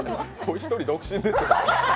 １人、独身ですよ。